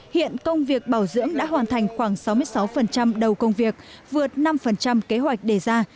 hiện công việc bảo dưỡng đã hoàn thành khoảng sáu mươi sáu đầu công việc vượt năm kế hoạch đề ra